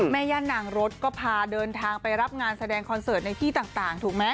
ย่านนางรถก็พาเดินทางไปรับงานแสดงคอนเสิร์ตในที่ต่างถูกไหม